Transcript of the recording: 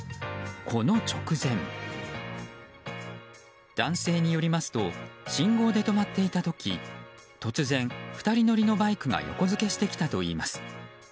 この直前男性によりますと信号で止まっていた時突然、２人乗りのバイクが横付けしてきたといいます。